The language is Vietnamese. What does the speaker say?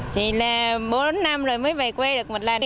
chỉ là bốn năm rồi mới về quê được một lần đi